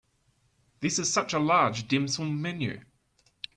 This is such a large dim sum menu.